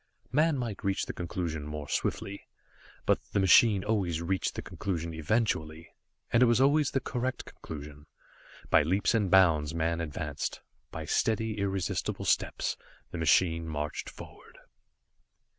Man might reach the conclusion more swiftly, but the machine always reached the conclusion eventually, and it was always the correct conclusion. By leaps and bounds man advanced. By steady, irresistible steps the machine marched forward.